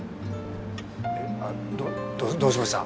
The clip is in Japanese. あどどうしました？